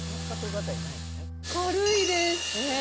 軽いですね。